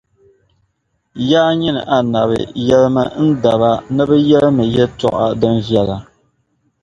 Yaa nyini Annabi! Yεlimi N daba ni bɛ yεlimi yɛltɔɣa din viεla.